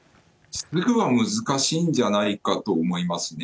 難しいんじゃないかと思いますね。